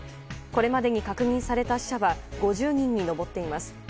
これまでに確認された死者は５０人に上っています。